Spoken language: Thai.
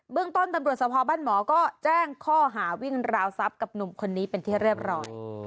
ต้นตำรวจสภบ้านหมอก็แจ้งข้อหาวิ่งราวทรัพย์กับหนุ่มคนนี้เป็นที่เรียบร้อย